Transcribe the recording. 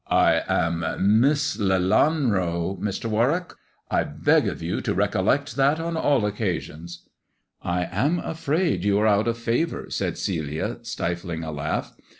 "I am Miss Lelanro, Mr. Warwick; I beg of you to recollect that on all occasions." " I am afraid you are out of favour," said Celia, stifling a laugh.